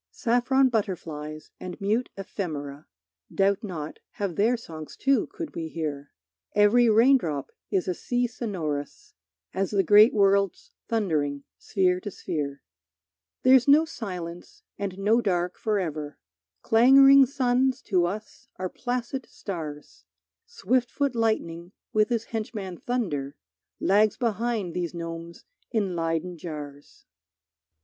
Saffron butterflies and mute ephemera, Doubt not, have their songs too, could we hear. Every raindrop is a sea sonorous As the great worlds thundering sphere to sphere. There's no silence and no dark forever, Clangoring suns to us are placid stars; Swift foot lightning with his henchman thunder Lags behind these gnomes in Leyden jars.